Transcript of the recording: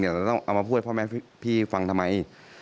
จะต้องเอามาพูดให้พ่อแม่พี่ฟังทำไม